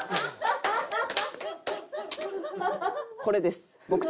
これです。